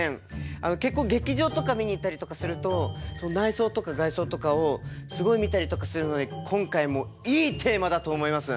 結構劇場とか見に行ったりとかすると内装とか外装とかをすごい見たりとかするので今回もいいテーマだと思います。